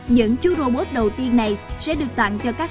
những chú robot đầu tiên này sẽ được tặng cho các